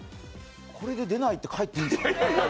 これで出ないって帰っていいんですか？